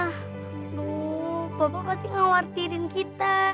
aduh bapak pasti khawatirin kita